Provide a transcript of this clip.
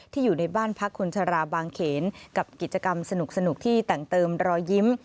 อยู่ในบ้านพักคนชราบางเขนกับกิจกรรมสนุกที่แต่งเติมรอยยิ้ม